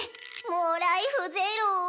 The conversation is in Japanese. もうライフゼロ。